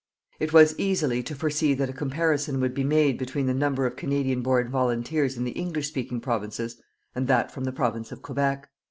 It was easily to foresee that a comparison would be made between the number of Canadian born volunteers in the English speaking Provinces and that from the Province of Quebec.